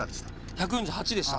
１４８でした。